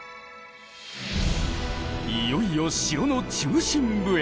いよいよ城の中心部へ！